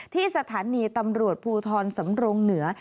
ที่สถานีตำรวจภูทรสำรงเหนือ